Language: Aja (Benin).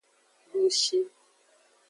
Dushi.